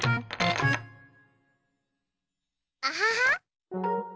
アハハ！